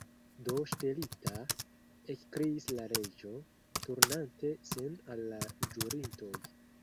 "Do, ŝtelita!" ekkriis la Reĝo, turnante sin al la ĵurintoj.